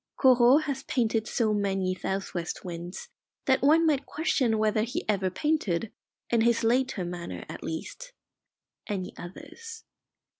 Corot has painted so many south west winds that one might question whether he ever painted, in his later manner at least, any others.